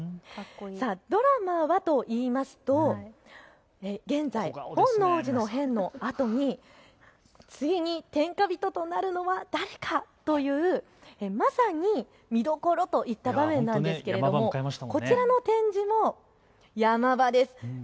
ドラマは現在、本能寺の変のあとに次に天下人となるのは誰かというまさに見どころといった場面なんですけれどこちらの展示も山場です。